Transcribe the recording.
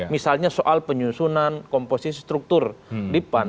misalnya soal penyusunan komposisi struktur di pan